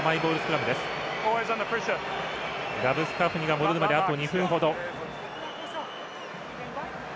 ラブスカフニが戻るまであと２分程。